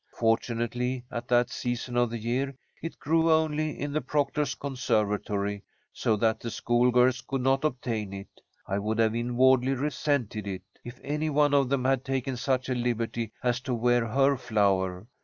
Fortunately, at that season of the year it grew only in the proctor's conservatory, so that the schoolgirls could not obtain it. I would have inwardly resented it, if any one of them had taken such a liberty as to wear her flower.